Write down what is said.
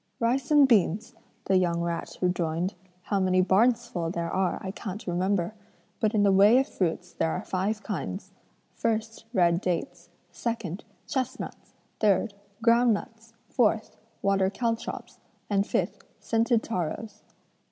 'Rice and beans,' the young rat rejoined, 'how many barns full there are, I can't remember; but in the way of fruits there are five kinds: 1st, red dates; 2nd, chestnuts; 3rd, ground nuts; 4th, water caltrops, and 5th, scented taros.'